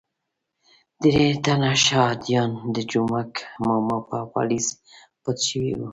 درې تنه شهادیان د جومک ماما په پالیز پټ شوي وو.